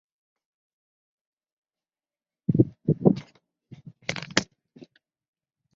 弗里亚斯公爵是西班牙王国最悠久的公爵封号之一。